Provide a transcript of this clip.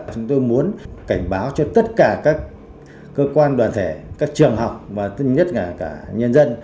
chúng tôi muốn cảnh báo cho tất cả các cơ quan đoàn thể các trường học và nhất là cả nhân dân